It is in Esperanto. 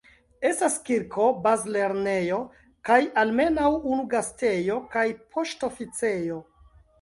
Estas kirko, bazlernejo, kaj almenaŭ unu gastejo kaj poŝtoficejo.